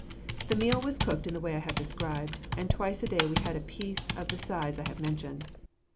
The meal was cooked in the way I have described, and twice a day we had a piece of the size I have mentioned.